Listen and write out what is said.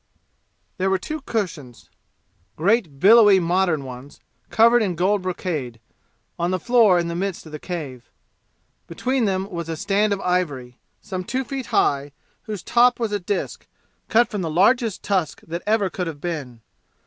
There were two cushions great billowy modern ones, covered in gold brocade on the floor in the midst of the cave. Between them was a stand of ivory, some two feet high, whose top was a disk, cut from the largest tusk that ever could have been.